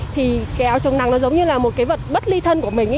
thì cái áo chống nắng nó giống như là một cái vật bất ly thân của mình ấy